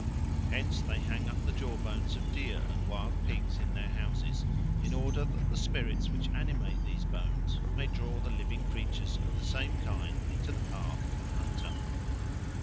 Hence they hang up the jawbones of deer and wild pigs in their houses, in order that the spirits which animate these bones may draw the living creatures of the same kind into the path of the hunter.